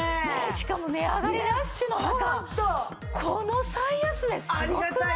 しかも値上がりラッシュの中この最安値すごくないですか！？